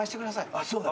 あっそうだ。